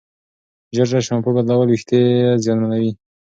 ژر ژر شامپو بدلول وېښتې زیانمنوي.